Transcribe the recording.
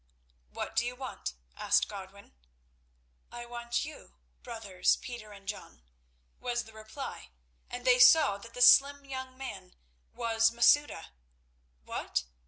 "What do you want?" asked Godwin. "I want you, brothers Peter and John," was the reply, and they saw that the slim young man was Masouda. "What!